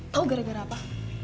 tau gara gara apa